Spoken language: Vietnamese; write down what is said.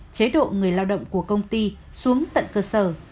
chế độ người lao động của công ty xuống tận cơ sở